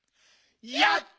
やった！